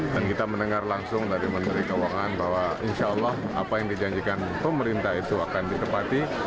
dan kita mendengar langsung dari menteri keuangan bahwa insya allah apa yang dijanjikan pemerintah itu akan dikepati